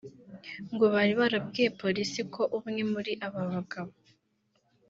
ngo bari barabwiye polisi ko umwe muri aba bagabo